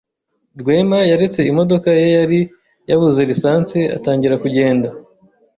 Rwema yaretse imodoka ye yari yabuze lisansi atangira kugenda.